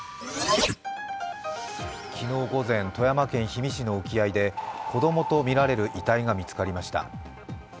昨日午前、富山県氷見市の沖合で子供とみられる遺体が見つかりました。